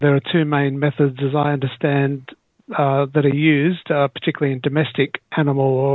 ada dua metode yang saya pahami yang digunakan